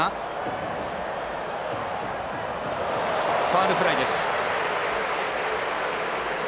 ファウルフライです。